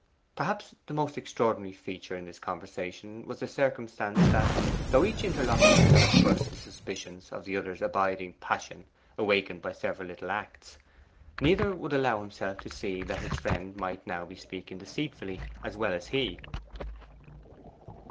Perhaps the most extraordinary feature in this conversation was the circumstance that, though each interlocutor had at first his suspicions of the other's abiding passion awakened by several little acts, neither would allow himself to see that his friend might now be speaking deceitfully as well as he.